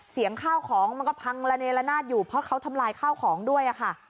ข้าวของมันก็พังละเนละนาดอยู่เพราะเขาทำลายข้าวของด้วยค่ะ